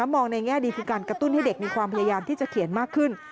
มองในแง่ดีคือการกระตุ้นให้เด็กมีความพยายามที่จะเขียนมากขึ้น